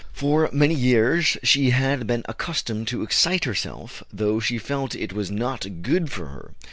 For many years she had been accustomed to excite herself, though she felt it was not good for her.